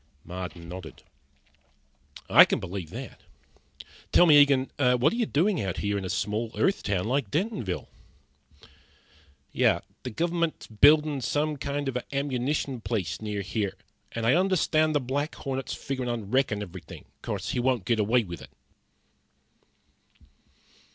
Marden nodded. "I can believe that. Tell me, Eagen, what are you doing out here around a small Earth town like Dentonville?" "The gov'ment's buildin' some kind of a ammunition place near here, and I understand the Black Hornet's figurin' on wreckin' everything. 'Course he won't get away with it."